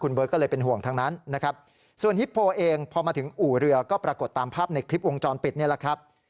เบิร์ตก็เลยเป็นห่วงทั้งนั้นนะครับส่วนฮิปโพเองพอมาถึงอู่เรือก็ปรากฏตามภาพในคลิปวงจรปิดนี่แหละครับ